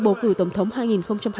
bầu cử tổng thống hai nghìn hai mươi